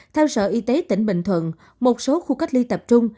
theo sở y tế tỉnh bình thuận một số khu cách ly tập trung